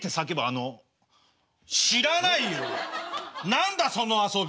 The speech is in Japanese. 何だその遊び！？